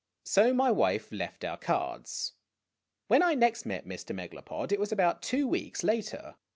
So my wife left our cards. When I next met Mr. Megalopod it was about two weeks later.